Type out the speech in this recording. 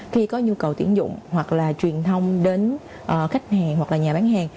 khi có nhu cầu tiễn dụng hoặc là truyền thông đến khách hàng hoặc là nhà bán hàng